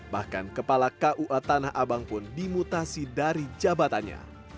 bahkan kepala kua tanah abang pun dimutasi dari jabatannya